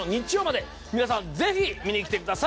皆さんぜひ見にきてください。